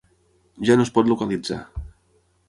Ja no es pot localitzar.